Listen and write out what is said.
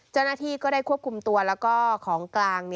เจ้าหน้าที่ก็ได้ควบคุมตัวแล้วก็ของกลาง